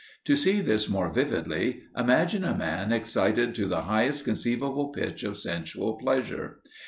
To see this more vividly, imagine a man excited to the highest conceivable pitch of sensual pleasure.